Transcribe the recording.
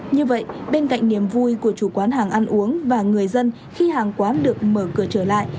như vậy bên cạnh niềm vui của chủ quán hàng ăn uống và người dân khi hàng quán được mở cửa trở lại